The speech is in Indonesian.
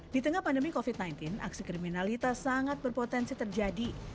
di tengah pandemi covid sembilan belas aksi kriminalitas sangat berpotensi terjadi